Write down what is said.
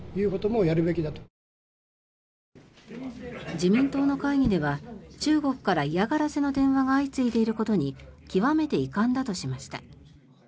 自民党の会議では中国から嫌がらせの電話が相次いでいることに極めて遺憾だとしました。